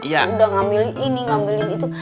yang udah ngambil ini ngambil itu